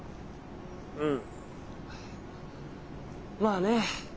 うんまあね。